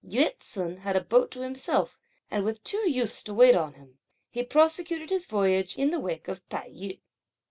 Yü ts'un had a boat to himself, and with two youths to wait on him, he prosecuted his voyage in the wake of Tai yü.